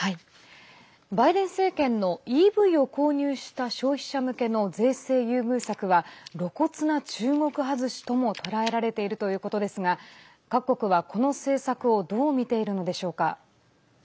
バイデン政権のＥＶを購入した消費者向けの税制優遇策は露骨な中国外しとも捉えられているということですが各国は、この政策をどう見ているのでしょうか。